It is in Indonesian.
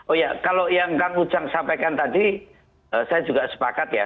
oh ya kalau yang kang ujang sampaikan tadi saya juga sepakat ya